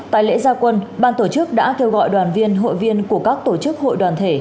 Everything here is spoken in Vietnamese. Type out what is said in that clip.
tại lễ gia quân ban tổ chức đã kêu gọi đoàn viên hội viên của các tổ chức hội đoàn thể